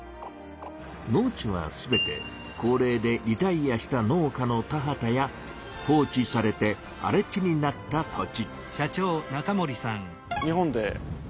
農地は全て高齢でリタイアした農家の田畑や放置されてあれ地になった土地。